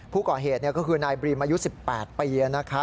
ผู้ก่อเหตุก็คือนายบรีมอายุ๑๘ปี